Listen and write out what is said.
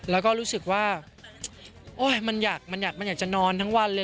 แล้วก็รู้สึกว่าโอ๊ยมันอยากจะนอนทั้งวันเลย